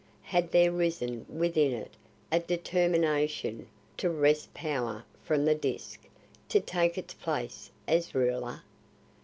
Had there risen within it a determination to wrest power from the Disk, to take its place as Ruler?